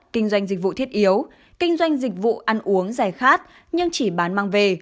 kinh doanh dịch vụ thiết yếu kinh doanh dịch vụ ăn uống giải khát nhưng chỉ bán mang về